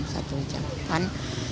satu jam kan